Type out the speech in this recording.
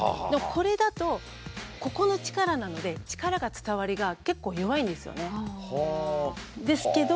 これだとここの力なので力が伝わりが結構弱いんですよね。ですけど。